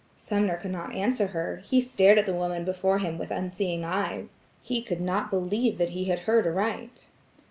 Sumner could not answer her. He stared at the woman before him with unseeing eyes. He could not believe that he had heard aright.